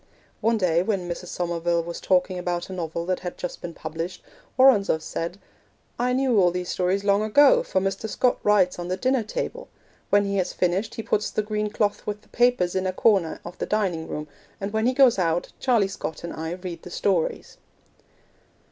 One day when Mrs. Somerville was talking about a novel that had just been published, Woronzow said, 'I knew all these stories long ago, for Mr. Scott writes on the dinner table; when he has finished he puts the green cloth with the papers in a corner of the dining room, and when he goes out Charlie Scott and I read the stories.'